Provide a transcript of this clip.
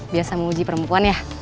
biasa mau uji perempuan ya